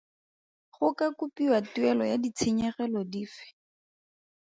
Go ka kopiwa tuelo ya ditshenyegelo dife?